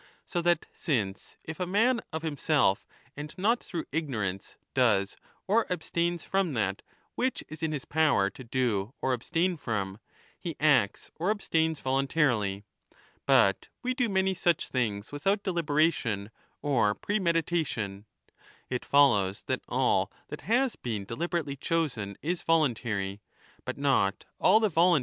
So that since, if a man of himself and not through ignorance does or abstains from that which is in his power to do or abstain from, he acts or abstains voluntarily, but we do many such things without deliberation or premeditation, it follows that all that has been deliberately chosen is voluntary, but not all the volun BOOK II.